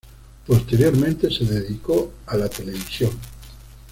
Posteriormente, se dedicó a la televisión.